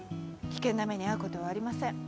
危険な目に遭うことはありません。